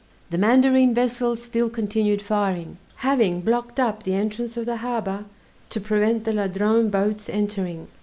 The mandarine vessels still continued firing, having blocked up the entrance of the harbor to prevent the Ladrone boats entering.